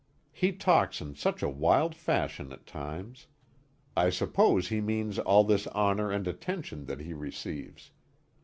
He talks in such a wild fashion at times. I suppose he means all this honor and attention that he receives.